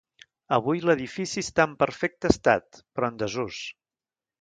Avui l'edifici està en perfecte estat, però en desús.